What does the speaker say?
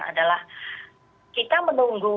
adalah kita menunggu